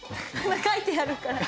書いてあるから。